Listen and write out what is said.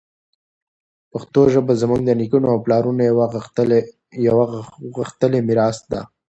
پښتو ژبه زموږ د نیکونو او پلارونو یوه غښتلې میراث ده.